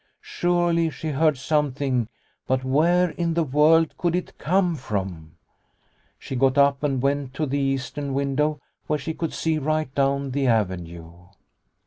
Surely she heard something, but where in the world could it come from ? She got up and went to the eastern window where she could see right down the avenue.